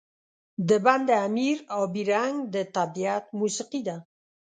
د بند امیر آبی رنګ د طبیعت موسيقي ده.